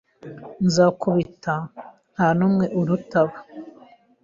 Nzakubita. Nta n'umwe uruta aba. ”